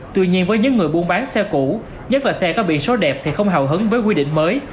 tuy nhiên với những người buôn bán xe cũ nhất là xe có biển số đẹp thì không hào hứng với quy định mới